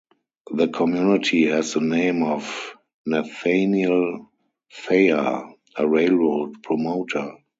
The community has the name of Nathaniel Thayer, a railroad promoter.